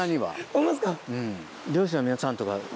ホンマですか。